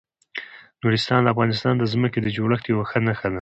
نورستان د افغانستان د ځمکې د جوړښت یوه ښه نښه ده.